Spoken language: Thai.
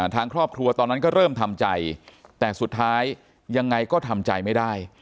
ทางครอบครัวตอนนั้นก็เริ่มทำใจแต่สุดท้ายยังไงก็ทำใจไม่ได้